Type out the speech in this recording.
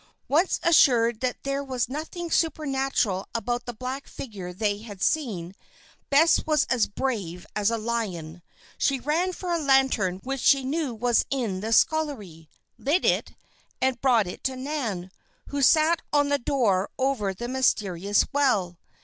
Once assured that there was nothing supernatural about the black figure they had seen, Bess was as brave as a lion. She ran for a lantern which she knew was in the scullery, lit it, and brought it to Nan, who sat on the door over the mysterious well.